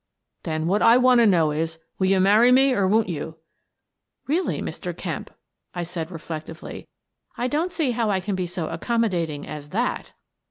" Then what I want to know is : will you many me, or won't you ?"" Really, Mr. Kemp," I said, reflectively, " I don't see how I can be so accommodating as that."